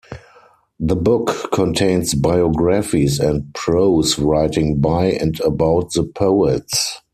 The book contains biographies and prose writing by and about the poets.